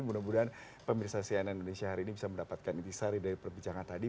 mudah mudahan pemirsa cnn indonesia hari ini bisa mendapatkan intisari dari perbincangan tadi